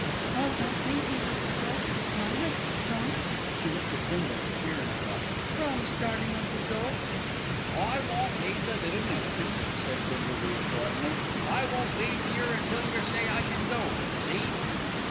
"Oh, don't leave me, Uncle Joe, promise, promise!" She looked at Bindle with fear in her eyes. "Promise, darling Uncle Joe." "I won't leave the little Millikins," said Bindle reassuringly. "I won't leave yer until yer say I can go, see?"